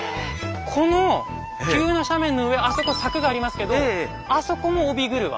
この急な斜面の上あそこ柵がありますけどあそこも帯曲輪？